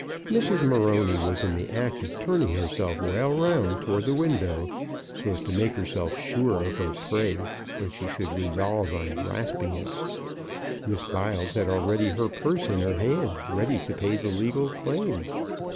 Mrs. Morony was in the act of turning herself well round towards the window, so as to make herself sure of her prey when she should resolve on grasping it. Miss Biles had already her purse in her hand, ready to pay the legal claim.